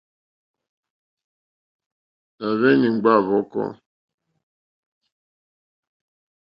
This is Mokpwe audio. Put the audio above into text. Nà hweni ŋgba hvɔ̀kɔ.